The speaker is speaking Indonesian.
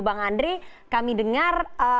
bang andre kami dengar